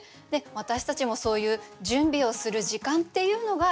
私たちもそういう準備をする時間っていうのが。